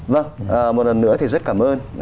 vâng một lần nữa thì rất cảm ơn